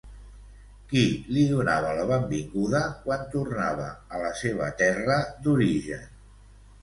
Qui li donava la benvinguda quan tornava a la seva terra d'origen?